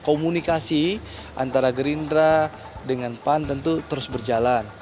komunikasi antara gerindra dengan pan tentu terus berjalan